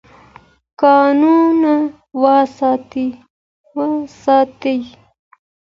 کانونه وساتئ.